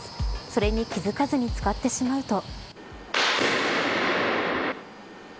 それに気付かずに使ってしまうと。